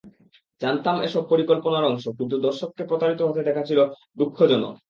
জানতাম এসব পরিকল্পনার অংশ কিন্তু দর্শককে প্রতারিত হতে দেখা ছিল দুঃখজনক।